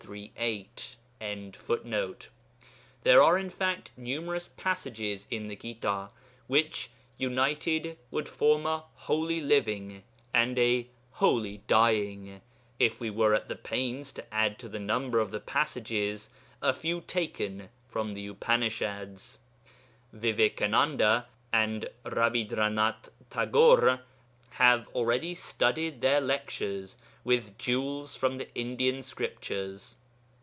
] There are in fact numerous passages in the Gita which, united, would form a Holy Living and a Holy Dying, if we were at the pains to add to the number of the passages a few taken from the Upanishads. Vivekananda and Rabindranath Tagore have already studded their lectures with jewels from the Indian Scriptures.